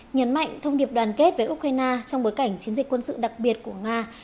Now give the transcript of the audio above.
nhấn mạnh thông điệp đoàn kết với ukraine trong bối cảnh chiến dịch quân sự đặc biệt của nga